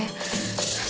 semuanya jadi kacau